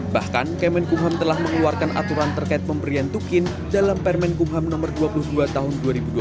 bahkan kemenkumham telah mengeluarkan aturan terkait pemberian tukin dalam permen kumham no dua puluh dua tahun dua ribu dua puluh